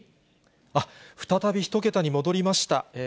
あっ、再び１桁に戻りました。